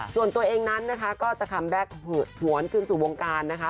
ส่วนตัวเองนั้นนะคะก็จะคัมแบ็คหวนขึ้นสู่วงการนะคะ